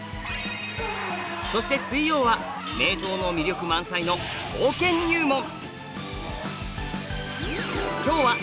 そして水曜は名刀の魅力満載の刀剣入門。